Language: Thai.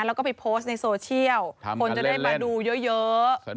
แล้วก็ไปโพสต์ในโซเชียลคนจะได้มาดูเยอะ